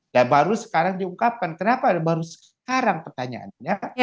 dan baru sekarang diungkapkan kenapa baru sekarang pertanyaannya